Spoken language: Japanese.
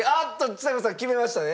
ちさ子さん決めましたね。